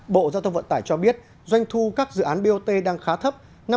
bộ giao thông vận tải cho biết doanh thu các dự án bot đang khá thấp